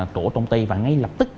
của công ty và ngay lập tức